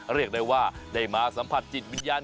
เรียกได้ว่าได้มาสัมผัสจิตวิญญาณ